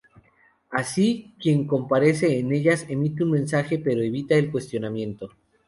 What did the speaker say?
Así, quien comparece en ellas emite un mensaje pero evita el cuestionamiento.